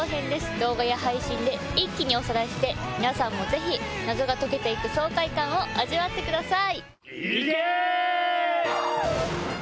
動画や配信で一気におさらいして皆さんもぜひ謎が解けて行く爽快感を味わってください。